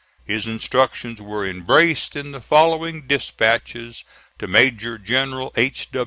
His instructions were embraced in the following dispatches to Major General H.